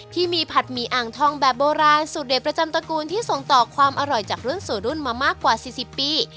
ที่มีผัดหมี่อ่างทองแบบโบราณสูตรเด็ดประจำตระกูลที่ส่งต่อความอร่อยจากรุ่นสู่รุ่นมามากกว่า๔๐ปี